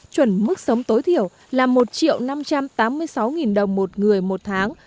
chuẩn mức sống tối thiểu là một năm trăm tám mươi sáu đồng một người một tháng